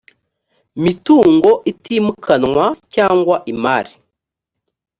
mitungo itimukanwa cyangwa imari